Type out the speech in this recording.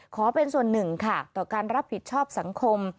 ขอเป็นส่วนหนึ่งค่ะต่อการรับผิดชอบสังคม